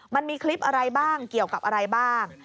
มันมีคลิปอะไรบ้างเกี่ยวกับอะไรบ้าง